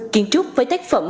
kiến trúc với tác phẩm